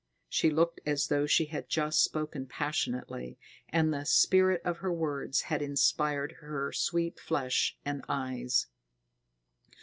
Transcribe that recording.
She looked as though she had just spoken passionately, and the spirit of her words had inspired her sweet flesh and eyes.